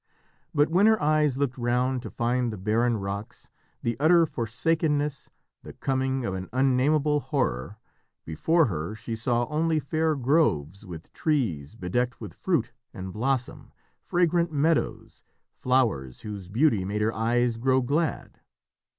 But when her eyes looked round to find the barren rocks, the utter forsakenness, the coming of an unnameable horror, before her she saw only fair groves with trees bedecked with fruit and blossom, fragrant meadows, flowers whose beauty made her eyes grow glad.